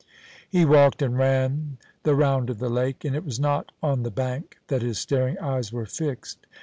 He walked and ran the round of the lake, and it was not on the bank that his staring eyes were fixed.